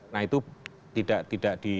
nah itu tidak di